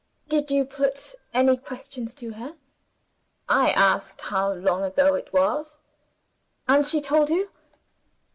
"Did you put any questions to her?" "I asked how long ago it was." "And she told you?"